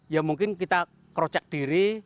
ya mungkin kita croscek diri